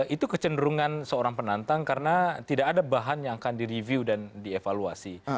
itu kecenderungan seorang penantang karena tidak ada bahan yang akan direview dan dievaluasi